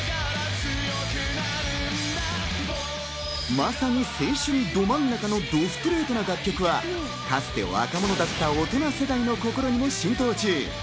まさに青春ど真ん中のどストレートな楽曲はかつて若者たちだった大人の心にも浸透中。